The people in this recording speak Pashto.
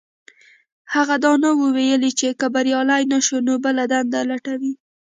هغه دا نه وو ويلي چې که بريالی نه شو نو بله دنده لټوي.